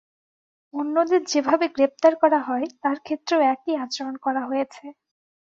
অন্যদের যেভাবে গ্রেপ্তার করা হয়, তাঁর ক্ষেত্রেও একই আচরণ করা হয়েছে।